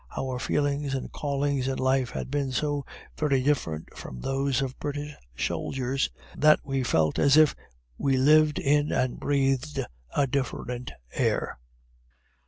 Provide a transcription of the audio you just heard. Our feelings, and callings in life had been so very different from those of British soldiers, that we felt as if we lived in, and breathed, a different air.